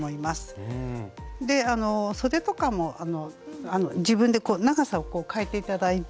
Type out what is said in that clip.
そでとかも自分で長さを変えて頂いて。